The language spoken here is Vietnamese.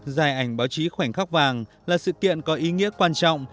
giải ảnh báo chí khoảnh khắc vàng là sự kiện có ý nghĩa quan trọng